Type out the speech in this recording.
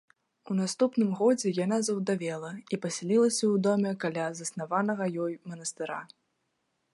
У наступным годзе яна заўдавела і пасялілася ў доме каля заснаванага ёю манастыра.